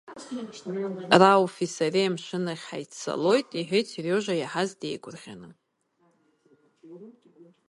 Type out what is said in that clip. Рауфи сареи амшын ахь ҳаиццалоит, — иҳәеит Сериожа иаҳаз деигәырӷьаны.